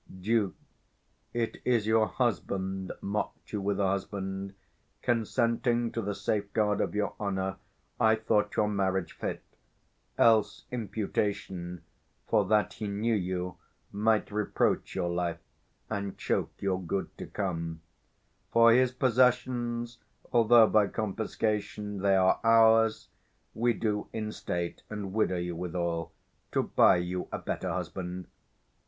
415 Duke. It is your husband mock'd you with a husband. Consenting to the safeguard of your honour, I thought your marriage fit; else imputation, For that he knew you, might reproach your life, And choke your good to come: for his possessions, 420 Although by confiscation they are ours, We do instate and widow you withal, To buy you a better husband.